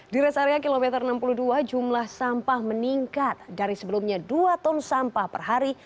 di res area kilometer enam puluh dua jumlah sampah meningkat dari sebelumnya dua ton sampah per hari